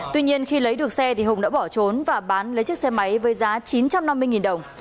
tuy nhiên khi lấy được xe hùng đã bỏ trốn và bán lấy chiếc xe máy với giá chín trăm năm mươi đồng